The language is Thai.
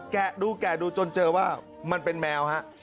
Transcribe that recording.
แกะดูแกะดูจนเจอว่ามันเป็นแมวฮะ